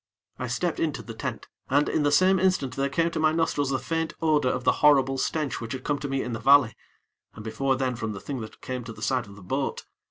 I stepped into the tent, and, in the same instant, there came to my nostrils the faint odor of the horrible stench which had come to me in the valley, and before then from the thing that came to the side of the boat.